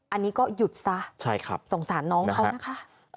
อันนี้ก็หยุดซะสงสารน้องเขานะคะ